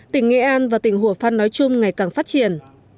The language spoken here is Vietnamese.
tỉnh nghệ an và tỉnh hùa phăn nói chung ngày càng phát triển